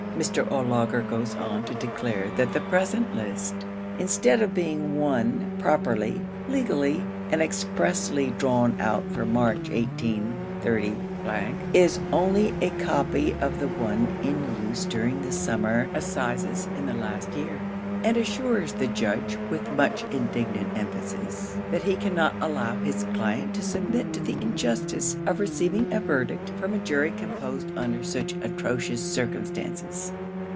Mr. O'Laugher goes on to declare that the present list, instead of being one properly, legally, and expressly drawn out for March 183 , is only a copy of the one in use during the summer assizes in the last year, and assures the judge with much indignant emphasis, that he cannot allow his client to submit to the injustice of receiving a verdict from a jury composed under such atrocious circumstances.